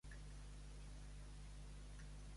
No fa muntó un gra de blat, però ajuda al del costat.